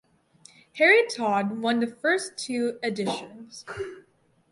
Harry Todd won the first two editions.